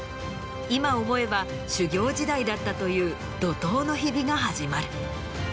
今思えば修業時代だったという怒涛の日々が始まる。